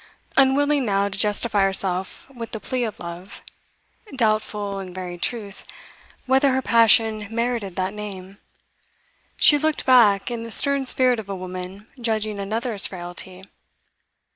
Unwilling, now, to justify herself with the plea of love; doubtful, in very truth, whether her passion merited that name; she looked back in the stern spirit of a woman judging another's frailty.